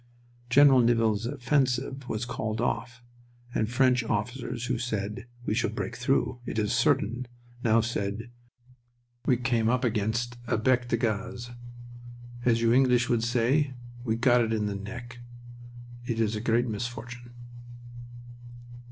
General Nivelle's offensive was called off, and French officers who had said, "We shall break through... It is certain," now said: "We came up against a bec de gaz. As you English would say, we 'got it in the neck.' It is a great misfortune."